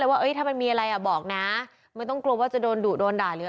ว่าถ้ามันมีอะไรอ่ะบอกนะไม่ต้องกลัวว่าจะโดนดุโดนด่าหรือ